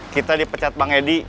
kita dipecat bang edi